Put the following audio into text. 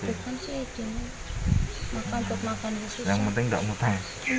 ya insya allah utang jajan lah